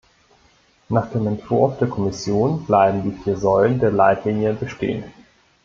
Nach dem Entwurf der Kommission bleiben die vier Säulen der Leitlinien bestehen.